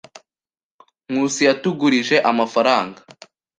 Nkusi yatugurije amafaranga.